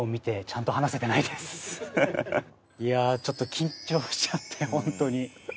いやあちょっと緊張しちゃって本当に。